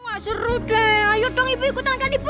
wah seru deh ayo dong ibu ikut angkat ibu